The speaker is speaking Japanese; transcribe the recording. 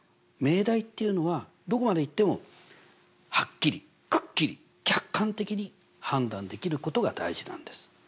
命題っていうのはどこまでいってもはっきりくっきり客観的に判断できることが大事なんです。